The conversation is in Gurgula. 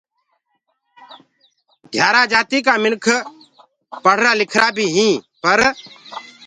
گُرگَلا جآتي ڪآ ڪجھ مِنک پڙهرآ لکرا بي هيٚنٚ پر